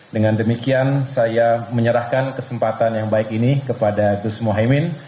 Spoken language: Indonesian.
dengan demikian saya menyerahkan kesempatan yang baik ini kepada gus mohaimin